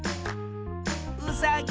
うさぎ。